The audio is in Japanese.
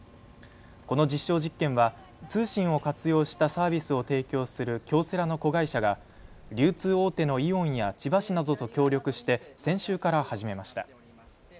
この実証実験は通信を活用したサービスを提供する京セラの子会社が流通大手のイオンや千葉市などと協力して先週から始めました。